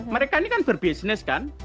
mereka ini kan berbisnis kan